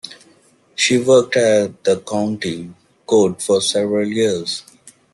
She worked at the county court for several years.